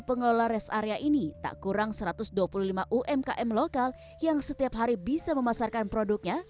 pengelola rest area ini tak kurang satu ratus dua puluh lima umkm lokal yang setiap hari bisa memasarkan produknya